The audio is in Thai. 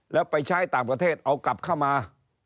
แล้วไปใช้ต่างประเทศเอากลับเข้ามา